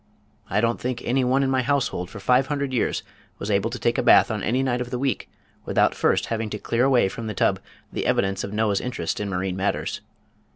I don't think any one in my household for five hundred years was able to take a bath on any night of the week without first having to clear away from the tub the evidence of Noah's interest in marine matters.